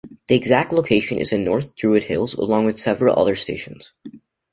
The exact location is in North Druid Hills, along with several other stations.